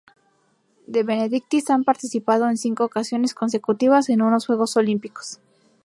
De Benedictis ha participado en cinco ocasiones consecutivas en unos Juegos Olímpicos.